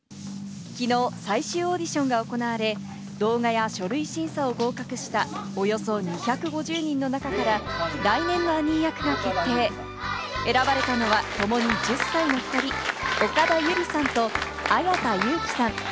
きのう最終オーディションが行われ、動画や書類審査を合格したおよそ２５０人の中から来年のアニー役が決定、選ばれたのは、ともに１０歳の２人、岡田悠李さんと絢田祐生さん。